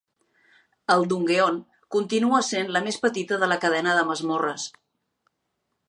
El Dungeon continua sent la més petita de la cadena de masmorres.